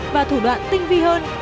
và thủ đoạn tinh vi hơn